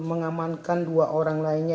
mengamankan dua orang lainnya